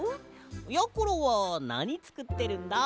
やころはなにつくってるんだ？